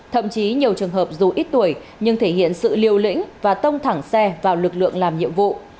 thậm chí nhiều trường hợp dù ít tuổi nhưng thể hiện sự liều lĩnh và tông thẳng xe vào lực lượng làm nhiệm vụ